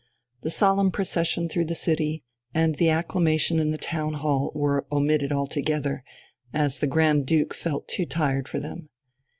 The solemn procession through the city and the acclamation in the Town Hall were omitted altogether, as the Grand Duke felt too tired for them.